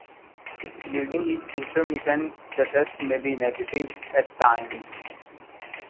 If bleeding is intermittent the test may be negative at times.